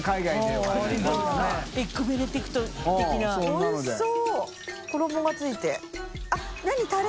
おいしそう。